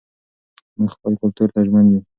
موږ خپل کلتور ته ژمن یو.